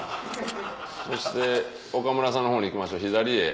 そして岡村さんの方に行きましょう左へ。